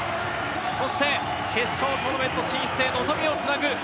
そして決勝トーナメント進出へ望みをつなぐ